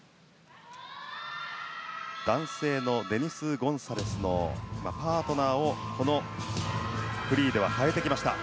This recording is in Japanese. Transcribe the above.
男性のデニス・ゴンサレスのパートナーをこのフリーでは変えてきました。